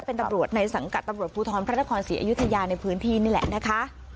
เป็นตำรวจในสังกัดตำรวจภูทรพระนครศรีอยุธยาในพื้นที่นี่แหละนะคะ